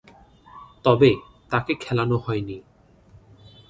তবে, তাকে খেলানো হয়নি।